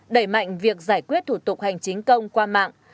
đẩy mạnh việc giải quyết thủ tục hành chính công qua mạng